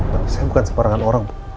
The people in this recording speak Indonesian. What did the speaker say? tapi saya bukan sebarangan orang